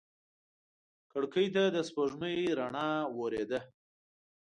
کړکۍ ته د سپوږمۍ رڼا ورېده.